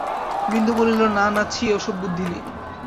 বিন্দু বলিল, না না ছি, ওসব বুদ্ধি নেই।